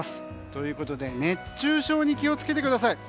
ということで熱中症に気を付けてください。